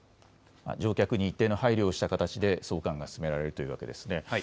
乗客に一定の配慮をした形で送還が進められるというわけですね。